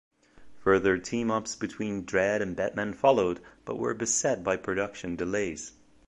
Further team-ups between Dredd and Batman followed, but were beset by production delays.